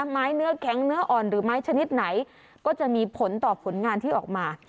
ไม้เนื้อแข็งเนื้ออ่อนหรือไม้ชนิดไหนก็จะมีผลต่อผลงานที่ออกมา